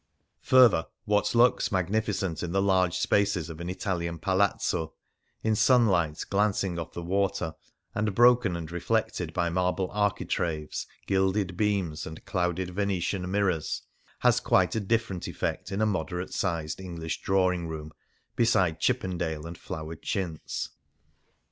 Further, what looks magnificent in the large 136 Varia spaces of an Italian palazzo, in sunlight glancing off the water, and broken and reflected by marble architraves, gilded beams and clouded Vene tian mirrors, has quite a different eff'ect in a moderate sized Eno^lish drawino; room beside Chippendale and flowered chintz.